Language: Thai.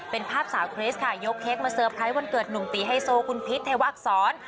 เป็นภาพสาวคริสค่ะยกเค้กมาเตอร์ไพรส์วันเกิดหนุ่มตีไฮโซคุณพิษเทวอักษร